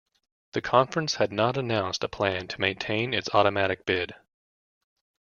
The conference has not announced a plan to maintain its automatic bid.